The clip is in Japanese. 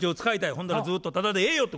「ほんならずっとタダでええよ」と。